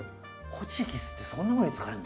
ホチキスってそんなふうに使えるの？